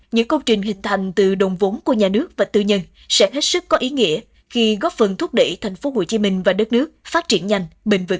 những công trình hình thành từ đồng vốn của nhà nước và tư nhân sẽ hết sức có ý nghĩa khi góp phần thúc đẩy thành phố hồ chí minh và đất nước phát triển nhanh bình vẩn hơn